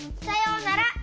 さようなら。